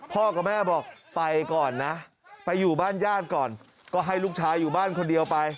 กับแม่บอกไปก่อนนะไปอยู่บ้านญาติก่อนก็ให้ลูกชายอยู่บ้านคนเดียวไป